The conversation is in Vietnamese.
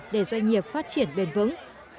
để doanh nghiệp phát triển bền vững